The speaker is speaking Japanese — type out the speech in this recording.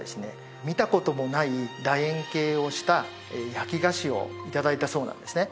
見た事もない楕円形をした焼き菓子を頂いたそうなんですね。